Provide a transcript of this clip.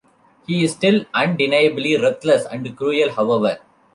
He is still undeniably ruthless and cruel, however.